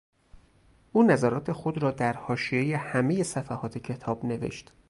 او نظرات خود را در حاشیهی همهی صفحات کتاب نوشت.